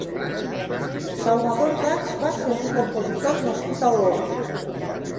Salvador Dachs va ser un compositor nascut a Olot.